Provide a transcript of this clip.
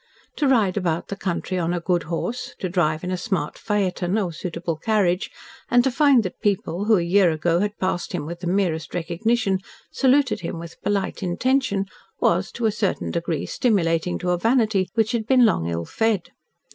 To ride about the country on a good horse, or drive in a smart phaeton, or suitable carriage, and to find that people who a year ago had passed him with the merest recognition, saluted him with polite intention, was, to a certain degree, stimulating to a vanity which had been long ill fed.